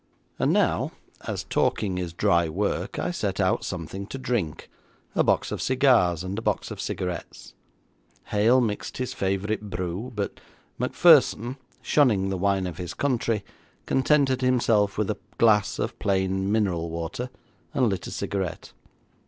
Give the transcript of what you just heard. And now, as talking is dry work, I set out something to drink, a box of cigars, and a box of cigarettes. Hale mixed his favourite brew, but Macpherson, shunning the wine of his country, contented himself with a glass of plain mineral water, and lit a cigarette.